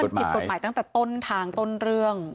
มันผิดกฎหมายตั้งแต่ต้นทางต้นเรื่อง